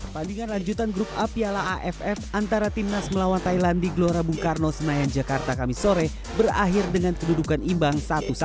pandingan lanjutan grup apiala aff antara timnas melawan thailand di glorabung karno senayan jakarta kamisore berakhir dengan kedudukan imbang satu satu